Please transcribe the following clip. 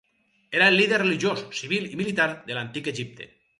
Era el líder religiós, civil i militar de l'Antic Egipte.